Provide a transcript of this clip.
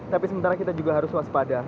tapi sementara kita juga harus waspada